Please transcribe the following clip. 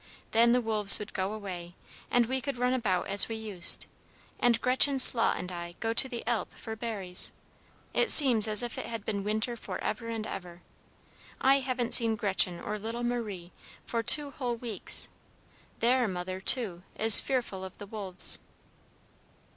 Then the wolves would go away, and we could run about as we used, and Gretchen Slaut and I go to the Alp for berries. It seems as if it had been winter forever and ever. I haven't seen Gretchen or little Marie for two whole weeks. Their mother, too, is fearful of the wolves."